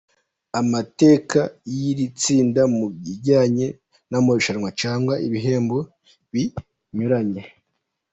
Amateka y’iri tsinda mu bijyanye n’amarushanwa cyangwa ibihembo binyuranye.